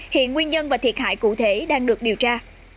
hiện nguyên nhân và thiệt hại cụ thể đang được điều tra